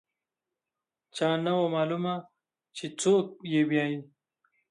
چا نه و معلوم چې څوک یې بیايي.